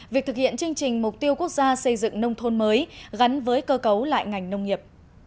việc thực hiện chương trình mục tiêu quốc gia xây dựng nông thôn mới gắn với cơ cấu lại ngành nông nghiệp